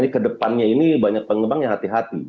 kedepannya ini banyak pengembang yang hati hati